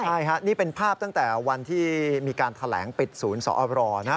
ใช่ฮะนี่เป็นภาพตั้งแต่วันที่มีการแถลงปิดศูนย์สอบรนะ